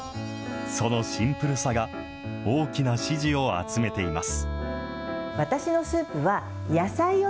そのシンプルさが、大きな支持を集めています。